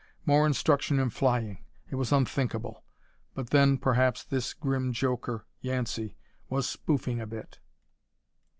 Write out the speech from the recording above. More instruction in flying! It was unthinkable. But then, perhaps this grim joker, Yancey, was spoofing a bit.